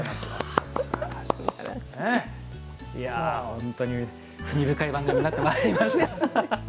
本当に罪深い番組になってまいりました。